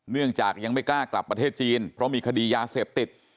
เนื่องจากยังไม่กล้ากลับประเทศจีนเพราะมีคดียาเสพติด